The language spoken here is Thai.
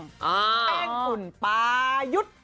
แปลงขุนปายุทธ์